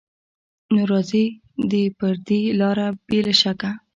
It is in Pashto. نو راځي دې پر دې لاره بې له شکه